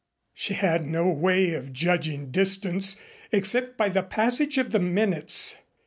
She had no way of judging distance except by the passage of the minutes.